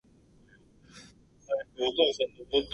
ここで打たれたら負けだ